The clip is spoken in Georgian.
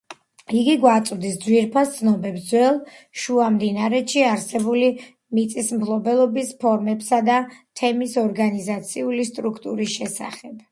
იგი გვაწვდის ძვირფას ცნობებს ძველ შუამდინარეთში არსებული მიწისმფლობელობის ფორმებსა და თემის ორგანიზაციული სტრუქტურის შესახებ.